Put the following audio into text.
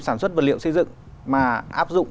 sản xuất vật liệu xây dựng mà áp dụng